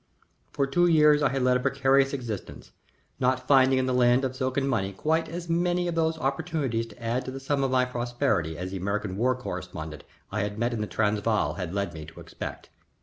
For two years I had led a precarious existence, not finding in the land of silk and money quite as many of those opportunities to add to the sum of my prosperity as the American War Correspondent I had met in the Transvaal led me to expect.